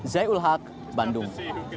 zai ul haq bandung